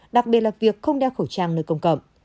đặc biệt là việc không đeo khẩu trang nơi công cộng